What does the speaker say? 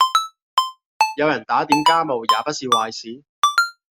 有人打點家務也不是壞事